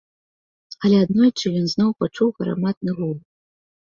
Але аднойчы ён зноў пачуў гарматны гул.